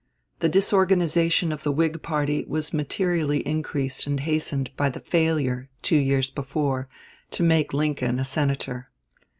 The disorganization of the Whig party was materially increased and hastened by the failure, two years before, to make Lincoln a Senator.